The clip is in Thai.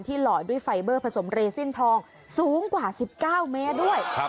หล่อยด้วยไฟเบอร์ผสมเรสิ้นทองสูงกว่า๑๙เมตรด้วย